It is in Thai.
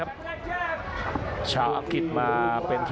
อัศวินาศาสตร์